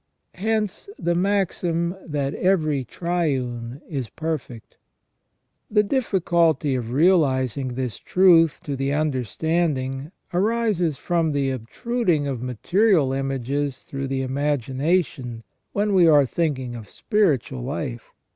Hence the maxim that every triune is perfect. The difficulty of realizing this truth to the understanding arises from the obtruding of material images through the imagination when we are thinking of spiritual life.